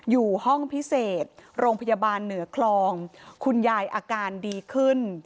อยู่ห้องพิเศษโรงพยาบาลเหนือคลองคุณยายอาการดีขึ้น